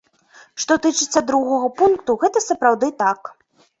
Што тычыцца другога пункту, гэта сапраўды так.